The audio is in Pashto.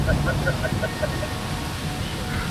• اوس نو وکئ قضاوت ګنا دچا ده,